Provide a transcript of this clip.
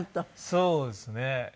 そうですね。